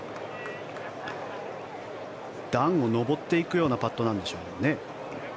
段を上っていくようなパットなんでしょうかね。